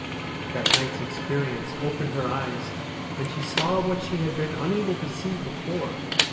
That night's experience opened her eyes, and she saw what she had been unable to see before.